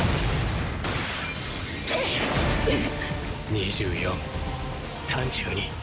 ２４３２。